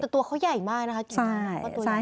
แต่ตัวเขาใหญ่มากนะกิ๋งทาน